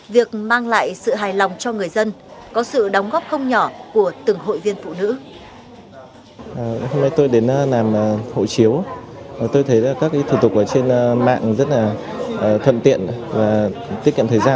việc mang lại sự hài lòng cho người dân có sự đóng góp không nhỏ của từng hội viên phụ nữ